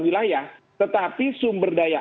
wilayah tetapi sumber daya